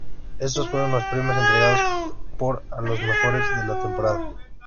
Estos fueron los premios entregados por a los mejores de la temporada.